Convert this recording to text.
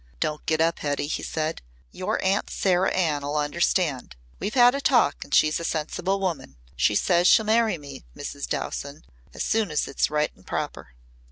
"Don't get up, Hetty," he said. "Your Aunt Sarah Ann'll understand. We've had a talk and she's a sensible woman. She says she'll marry me, Mrs. Dowson as soon as it's right and proper."